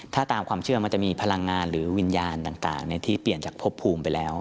ถ้าตามความเชื่อมันจะมีพลังงานหรือวิญญาณต่างที่เปลี่ยนจากพบภูมิไปแล้ว